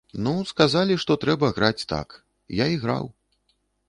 Ну, сказалі, што трэба граць так, я і граў.